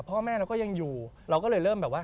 พ่อแม่เราก็ยังอยู่เราก็เลยเริ่มแบบว่า